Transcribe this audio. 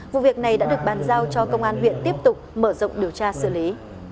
vụ việc này đã được bàn giao cho công an huyện tiếp tục mở rộng điều tra xử lý